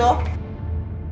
bakar beduk ini